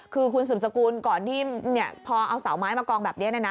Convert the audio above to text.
คือคุณสืบสกุลก่อนที่พอเอาเสาไม้มากองแบบนี้